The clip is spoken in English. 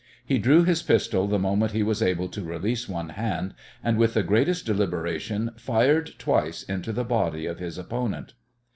He drew his pistol the moment he was able to release one hand, and with the greatest deliberation fired twice into the body of his opponent.